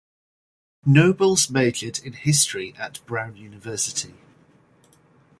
Nobles majored in history at Brown University.